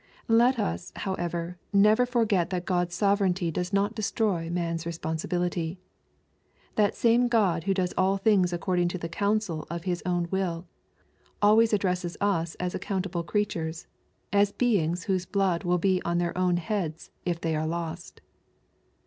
Let us, however, never forget that God's sovereignty does not destroy man's responsibility. That same Grod who does all things according to the counsel of His own win, always addresses us as accountable creatures, — as beings whose blood will be on their own heads if they are lost.